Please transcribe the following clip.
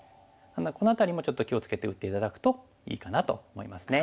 この辺りもちょっと気を付けて打って頂くといいかなと思いますね。